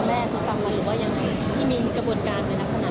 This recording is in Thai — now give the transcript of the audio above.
หรือว่ายังไงที่มีกระบวนการในลักษณะ